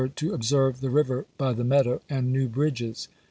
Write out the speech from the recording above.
to observe the river by the Meadow and New Bridges.